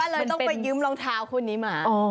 เลยต้องไปยืมรองเท้าคู่นี้มา